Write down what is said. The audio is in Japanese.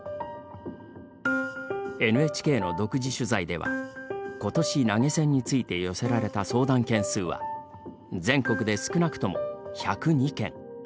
ＮＨＫの独自取材ではことし、投げ銭について寄せられた相談件数は全国で少なくとも１０２件。